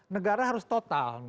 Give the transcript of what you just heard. negara harus total